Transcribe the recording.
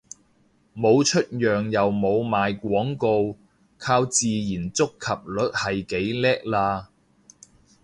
冇出樣又冇賣廣告，靠自然觸及率係幾叻喇